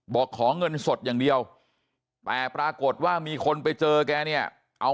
บอกขอเงินสดอย่างเดียวแต่ปรากฏว่ามีคนไปเจอแกเนี่ยเอา